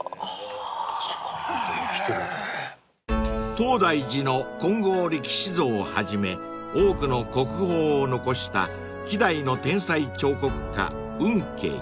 ［東大寺の金剛力士像をはじめ多くの国宝を残した希代の天才彫刻家運慶］